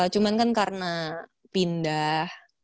cuman kan karena pindah